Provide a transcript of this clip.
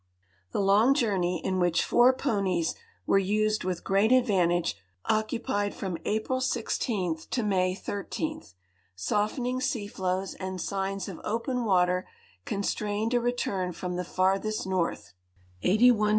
The long journey, in which four ponies were used with great advantage, occupied from Aj)ril 16 to May 13. Softening sea floes and signs of open water constrained a return from the farthest north, 81° 20' X.